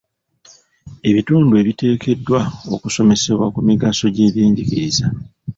Ebitundu biteekeddwa okusomesebwa ku migaso gy'ebyenjigiriza.